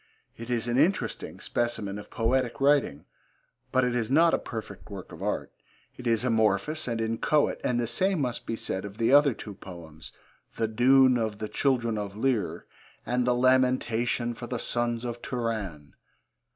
It is an interesting specimen of poetic writing but it is not a perfect work of art. It is amorphous and inchoate, and the same must be said of the two other poems, The Doom of the Children of Lir, and The Lamentation for the Sons of Turann.